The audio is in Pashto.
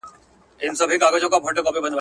ما په لار د انتظار کي تور د سترګو درته سپین کړل ..